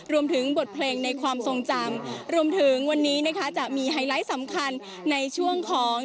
รวมถึงบทเพลงในความทรงจำรวมถึงวันนี้นะคะจะมีไฮไลท์สำคัญในช่วงของ